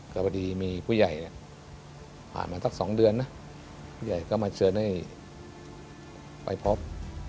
แต่พอดีมีผู้ใหญ่ผ่านมาสัก๒เดือนนะผู้ใหญ่ก็มาเชิญให้ไปพบ